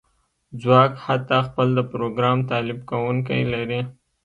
ځواک حتی خپل د پروګرام تالیف کونکی لري